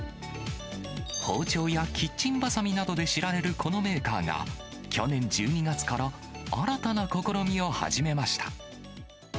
包丁やキッチンばさみなどで知られるこのメーカーが、去年１２月から新たな試みを始めました。